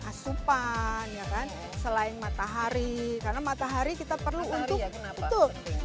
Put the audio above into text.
asupan ya kan selain matahari karena matahari kita perlu untuk